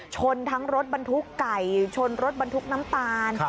ชนทั้งรถบรรทุกไก่ชนรถบรรทุกน้ำตาล